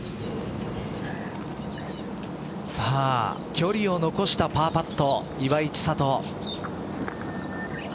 距離を残したパーパット岩井千怜。